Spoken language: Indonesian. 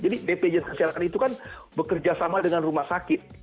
jadi bpjs kesehatan itu kan bekerja sama dengan rumah sakit